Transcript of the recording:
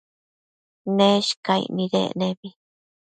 Neshcaic nidec nebi